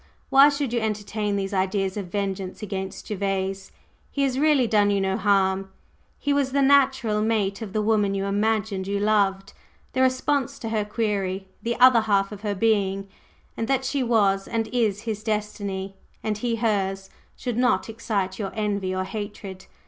"Why should you entertain these ideas of vengeance against Gervase? He has really done you no harm. He was the natural mate of the woman you imagined you loved, the response to her query, the other half of her being; and that she was and is his destiny, and he hers, should not excite your envy or hatred.